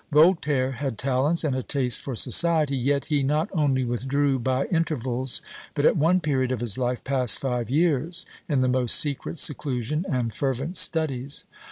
Voltaire had talents, and a taste for society, yet he not only withdrew by intervals, but at one period of his life passed five years in the most secret seclusion and fervent studies.